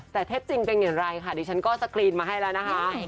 แต่เท็จจริงเป็นอย่างไรค่ะดิฉันก็สกรีนมาให้แล้วนะคะ